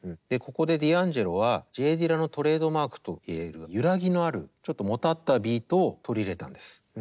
ここでディアンジェロはＪ・ディラのトレードマークと言える揺らぎのあるちょっともたったビートを取り入れたんです。